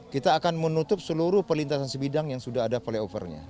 kita akan menutup seluruh perlintasan sebidang yang sudah ada flyovernya